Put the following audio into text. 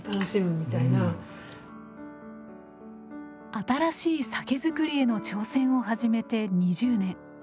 新しい酒造りへの挑戦を始めて２０年。